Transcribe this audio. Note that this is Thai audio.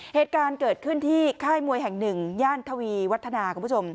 เหตุการณ์เกิดขึ้นที่ค่ายมวยแห่งหนึ่งย่านทวีวัฒนาคุณผู้ชม